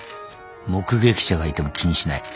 目撃者がいても気にしない。